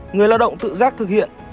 người lao động tự giác thực hiện